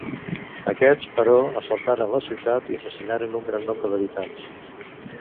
Aquests, però, assaltaren la ciutat i assassinaren un gran nombre d'habitants.